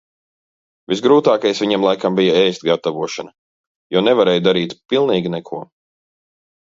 Visgrūtākais viņam laikam bija ēst gatavošana. Jo nevarēju darīt pilnīgi neko.